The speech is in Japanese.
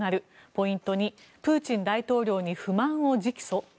ポイント２プーチン大統領に不満を直訴？